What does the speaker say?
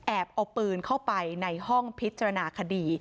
เอาปืนเข้าไปในห้องพิจารณาคดี